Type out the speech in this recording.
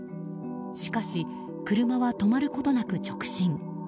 しかし、車は止まることなく直進。